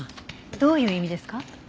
どういう意味ですか？